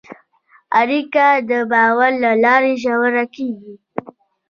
اړیکه د باور له لارې ژوره کېږي.